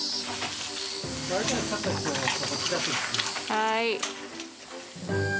はい。